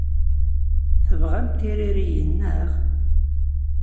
Tebɣamt tiririyin, naɣ?